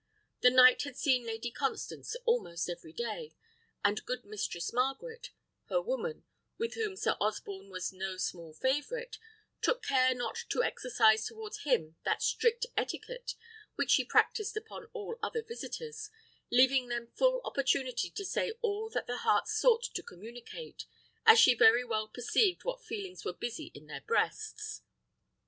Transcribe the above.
The knight had seen Lady Constance almost every day; and good Mistress Margaret, her woman, with whom Sir Osborne was no small favourite, took care not to exercise towards him that strict etiquette which she practised upon all other visitors, leaving them full opportunity to say all that the heart sought to communicate, as she very well perceived what feelings were busy in their breasts.